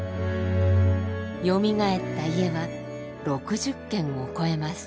よみがえった家は６０軒を超えます。